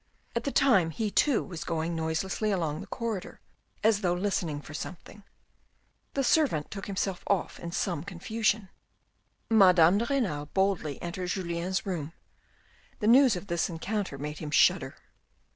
At the time he too was going noiselessly along the corridor, as though listening for something. The servant took himself off in some confusion. Madame de Renal boldly entered Julien's room. The news of this encounter made him shudder.